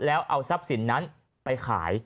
แล้วเอาทรัพย์สินนั้นไปขาย